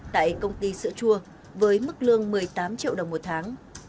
tại công ty sữa chua với mức lương một mươi tám triệu đồng một tháng